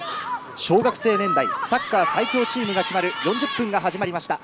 小学生年代サッカー最強チームが決まる４０分が始まりました。